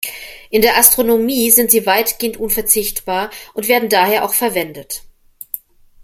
In der Astronomie sind sie weitgehend unverzichtbar und werden daher auch verwendet.